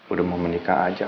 udah mau menikah aja